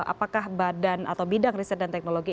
apakah badan atau bidang riset dan teknologi